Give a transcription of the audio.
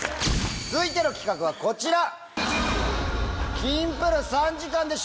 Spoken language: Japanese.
続いての企画はこちら！